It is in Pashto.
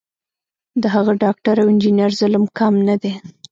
د هغه ډاکټر او انجینر ظلم کم نه دی.